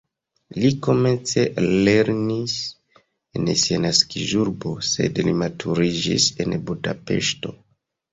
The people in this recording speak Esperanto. Li komence lernis en sia naskiĝurbo, sed li maturiĝis en Budapeŝto.